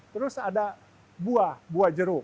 terus ada buah buah jeruk